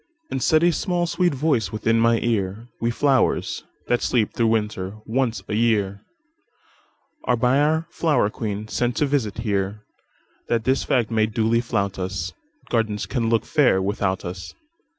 And said a small, sweet voice within my ear:"We flowers, that sleep through winter, once a yearAre by our flower queen sent to visit here, That this fact may duly flout us,—Gardens can look fair without us.